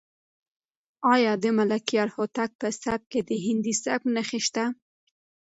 آیا د ملکیار هوتک په سبک کې د هندي سبک نښې شته؟